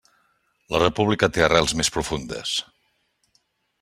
La república té arrels més profundes.